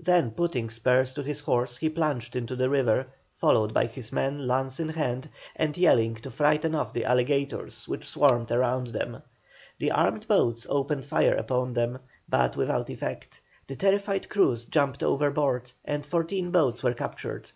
Then putting spurs to his horse he plunged into the river, followed by his men lance in hand, and yelling to frighten off the alligators which swarmed around them. The armed boats opened fire upon them, but without effect; the terrified crews jumped overboard, and fourteen boats were captured.